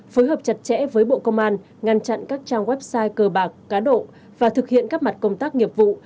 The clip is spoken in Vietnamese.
phối hợp chặt chẽ với bộ công an ngăn chặn các trang website cơ bạc cá độ và thực hiện các mặt công tác nghiệp vụ